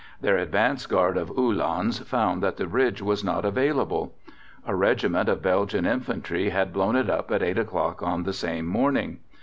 Their advance guard of Uhlans found that the bridge was not available. A regiment of Belgian Infantry had blown it up at 8 o'clock on the same morning.